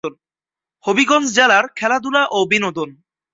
হবিগঞ্জ জেলার খেলাধুলা ও বিনোদন